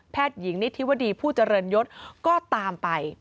หญิงนิธิวดีผู้เจริญยศก็ตามไป